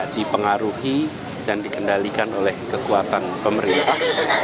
dikendalikan oleh kekuatan pemerintah